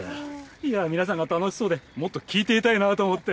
いや皆さんが楽しそうでもっと聞いていたいなと思って。